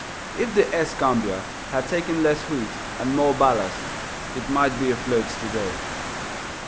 If the "Escambia" had taken less wheat and more ballast, it might be afloat today.